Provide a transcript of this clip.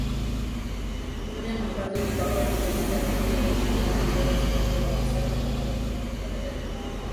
nneMakazi kupakwa kinyesi cha ngombe ili kuzuia mvua isipenye Wamasai wanawake wakitengeneza nyumba